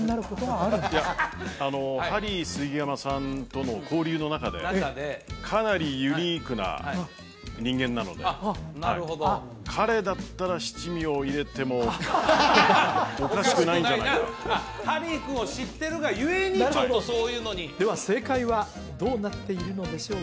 あのハリー杉山さんとの交流の中でかなりユニークな人間なのでなるほど彼だったら七味を入れてもおかしくないんじゃないかおかしくないなハリー君を知ってるがゆえにちょっとそういうのにでは正解はどうなっているのでしょう？